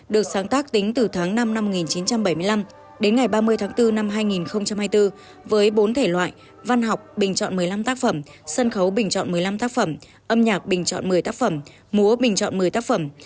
được sáng tác tính từ tháng năm năm một nghìn chín trăm bảy mươi năm đến ngày ba mươi tháng bốn năm hai nghìn hai mươi bốn với bốn thể loại văn học bình chọn một mươi năm tác phẩm sân khấu bình chọn một mươi năm tác phẩm âm nhạc bình chọn một mươi tác phẩm múa bình chọn một mươi tác phẩm